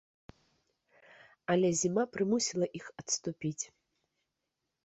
Але зіма прымусіла іх адступіць.